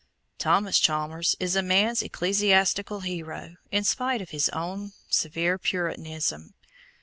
Thomas Chalmers is the man's ecclesiastical hero, in spite of his own severe Puritanism.